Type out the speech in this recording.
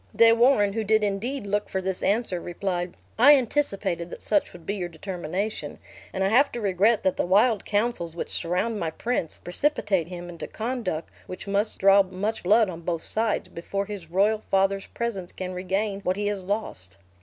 De Warenne, who did indeed look for this answer, replied, "I anticipated that such would be your determination, and I have to regret that the wild counsels which surround my prince, precipitate him into conduct which must draw much blood on both sides, before his royal father's presence can regain what he has lost."